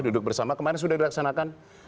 duduk bersama kemarin sudah dilaksanakan